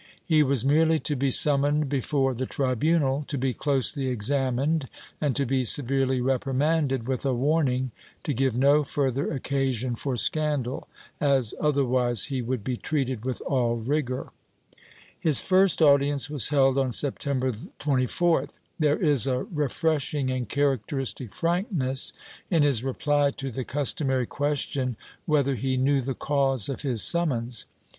He was merely to be summoned before the tribunal, to be closely examined and to be severely reprimanded, with a warn ing to give no further occasion for scandal, as otherwise he would be treated with all rigor/ His first audience was held on September 24th. There is a refreshing and characteristic frankness in his reply to the customary question whether he knew the cause of his summons.